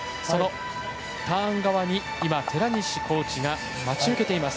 ターン側に寺西コーチが待ち受けています。